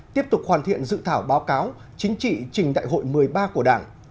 tiếp tục hoàn thiện dự thảo báo cáo chính trị trình đại hội một mươi ba của đảng